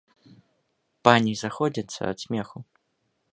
Пані заходзяцца ад смеху.